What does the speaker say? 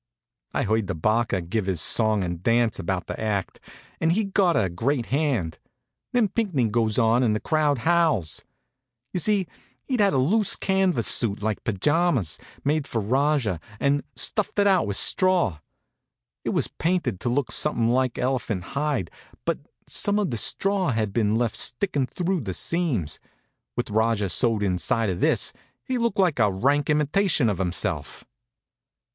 I heard the barker givin' his song an' dance about the act, and he got a great hand. Then Pinckney goes on and the crowd howls. You see, he'd had a loose canvas suit, like pajamas, made for Rajah, and stuffed out with straw. It was painted to look something like elephant hide, but some of the straw had been left sticking through the seams. With Rajah sewed inside of this, he looked like a rank imitation of himself.